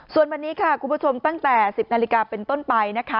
ส่วนวันนี้ค่ะคุณผู้ชมตั้งแต่๑๐นาฬิกาเป็นต้นไปนะคะ